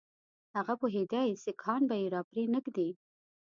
هغه پوهېدی سیکهان به یې را پرې نه ږدي.